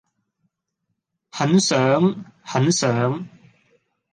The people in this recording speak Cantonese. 很想....很想....